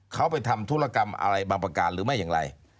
เขาไปทำธุรกรรมอะไรบางประการหรือไม่อย่างไร